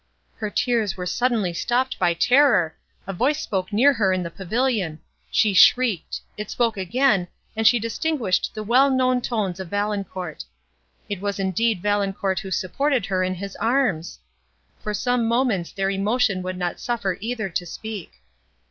Her tears were suddenly stopped by terror—a voice spoke near her in the pavilion; she shrieked—it spoke again, and she distinguished the well known tones of Valancourt. It was indeed Valancourt who supported her in his arms! For some moments their emotion would not suffer either to speak.